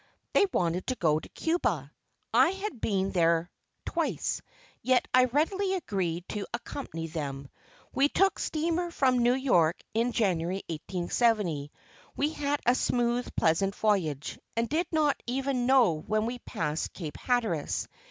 They wanted to go to Cuba. I had been there twice; yet I readily agreed to accompany them. We took steamer from New York in January, 1870. We had a smooth, pleasant voyage, and did not even know when we passed Cape Hatteras.